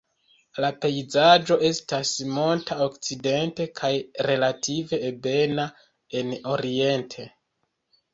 La pejzaĝo estas monta okcidente kaj relative ebena en oriente.